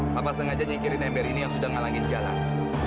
bapak sengaja nyikirin ember ini yang sudah ngalangin jalan